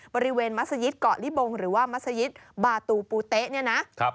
บริเวณมัศยิตเกาะลิบงหรือว่ามัศยิตบาตูปูเต๊ะเนี่ยนะ